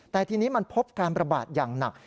แต่ทีนี้มันพบการประบาดอย่างหนัก